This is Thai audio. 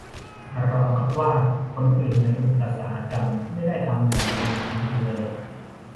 ราวกับว่าคนอื่นในอุตสาหกรรมไม่ได้ทำงานในโหมดนี้กันเลย